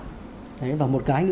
đấy và một cái